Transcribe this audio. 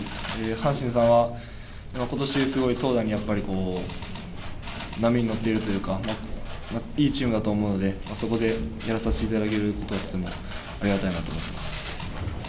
阪神さんは今年、すごい投打に波に乗っているというかいいチームだと思うので、そこでやらせていただけることになったのはありがたいなと思っています。